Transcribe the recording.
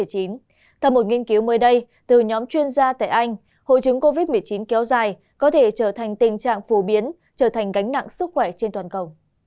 theo một nghiên cứu mới đây từ nhóm chuyên gia tại anh hội chứng covid một mươi chín kéo dài có thể trở thành tình trạng phổ biến trở thành gánh nặng sức khỏe trên toàn cầu